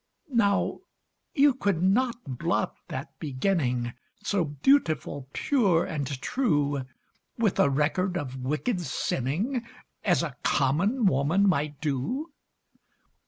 Now you could not blot that beginning So beautiful, pure and true, With a record of wicked sinning As a common woman might do.